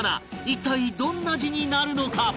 一体どんな字になるのか？